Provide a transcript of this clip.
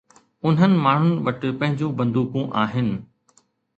انهن ماڻهن وٽ پنهنجون بندوقون آهن